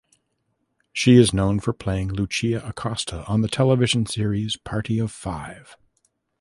She is known for playing Lucia Acosta in the television series "Party of Five".